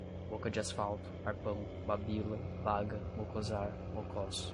boca de asfalto, arpão, babila, baga, mocosar, mocós